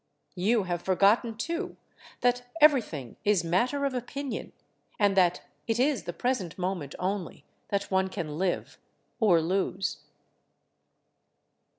You have forgotten, too, that everything is matter of opinion; and that it is the present moment only that one can live or lose.